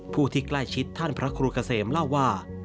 ผู้ที่ใกล้ชิดท่านพระครูเกษมเล่าว่า